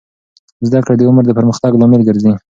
زده کړه د عمر د پرمختګ لامل ګرځي.